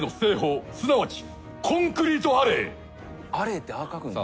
亜鈴ってああ書くんだ。